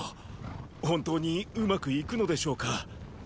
本当にうまくいくのでしょうか。